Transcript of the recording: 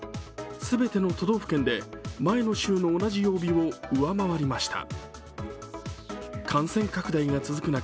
全ての都道府県で前の週の同じ曜日を上回りました。